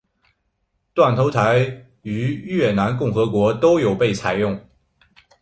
断头台于越南共和国都有被采用。